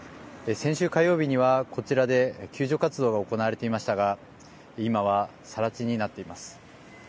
先週火曜日にはこちらで救助活動が行われていましたが今はさら地になっています。